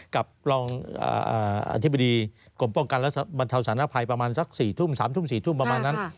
กับรองอธิบดีกรมป้องกันและบรรเทาสารภัยประมาณสัก๔ทุ่ม๓ทุ่ม๔ทุ่มประมาณนั้น